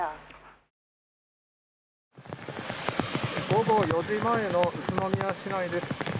午後４時前の宇都宮市内です。